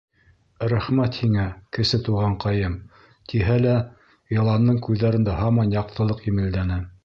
— Рәхмәт һиңә, Кесе Туғанҡайым, — тиһә лә, Йыландың күҙҙәрендә һаман яҡтылыҡ емелдәне.